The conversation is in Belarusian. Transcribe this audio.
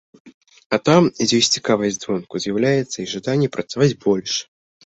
А там, дзе ёсць цікавасць звонку, з'яўляецца і жаданне працаваць больш.